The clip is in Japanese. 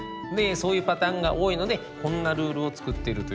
そういうパターンが多いのでこんなルールを作っているということです。